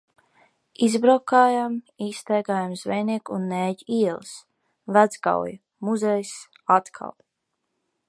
Izbraukājām, izstaigājām Zvejnieku un Nēģu ielas. Vecgauja. Muzejs. Atkal.